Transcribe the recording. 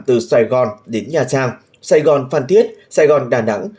từ sài gòn đến nha trang sài gòn phan thiết sài gòn đà nẵng